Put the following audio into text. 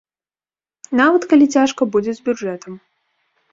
Нават калі цяжка будзе з бюджэтам.